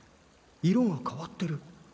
色が変わってる。